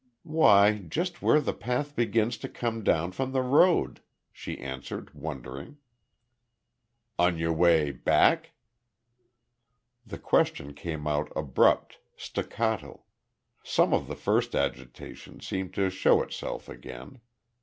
"Why, just where the path begins to come down from the road," she answered, wondering. "On your way back?" The question came out abrupt, staccato. Some of the first agitation seemed to show itself again.